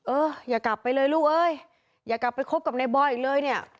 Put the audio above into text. เอออย่ากลับไปเลยลูกเอ้ยอย่ากลับไปคบกับในบอยอีกเลยเนี่ย